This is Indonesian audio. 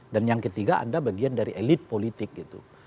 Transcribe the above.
dan yang ketiga anda bagian dari elit politik gitu